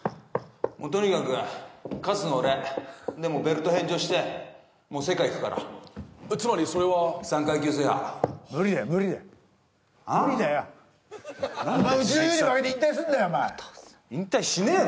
もうとにかく勝つの俺んでもうベルト返上してもう世界行くからつまりそれは３階級制覇無理だよ無理だよ無理だよあん？お前うちの勇に負けて引退すんだよ引退しねえよ